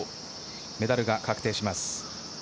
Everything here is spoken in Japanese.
メダルが確定します。